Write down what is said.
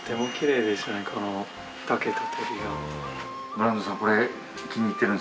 ブランドンさん